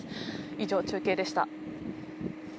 以上、中継でした。